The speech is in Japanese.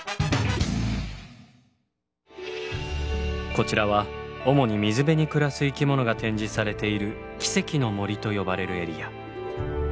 こちらは主に水辺に暮らす生き物が展示されている「奇跡の森」と呼ばれるエリア。